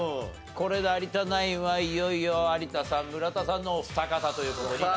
これで有田ナインはいよいよ有田さん村田さんのお二方という事になってしまいました。